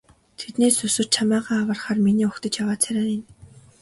Тэднээс өрсөж чамайгаа аврахаар миний угтаж яваа царай энэ.